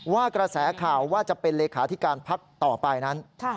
ว่ากระแสข่าวว่าจะเป็นเลขาธิการพักต่อไปนั้น